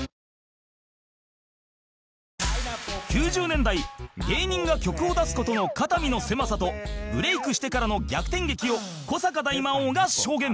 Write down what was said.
９０年代芸人が曲を出す事の肩身の狭さとブレイクしてからの逆転劇を古坂大魔王が証言